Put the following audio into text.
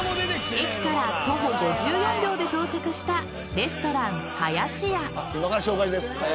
駅から徒歩５４秒で到着したレストランはやしや。